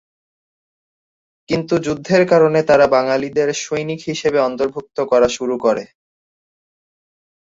কিন্তু যুদ্ধের কারণে তারা বাঙালিদের সৈনিক হিসেবে অন্তর্ভুক্ত করা শুরু করে।